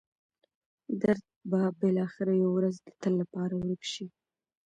درد به بالاخره یوه ورځ د تل لپاره ورک شي.